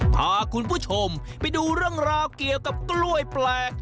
พาคุณผู้ชมไปดูเรื่องราวเกี่ยวกับกล้วยแปลก